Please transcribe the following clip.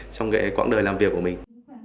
trong cái quãng đời làm việc của mình